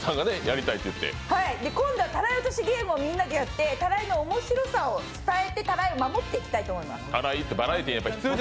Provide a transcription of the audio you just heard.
で、今度はたらい落としゲームをみんなでやって、たらいの面白さを知って、たらいを守っていきたいと思います。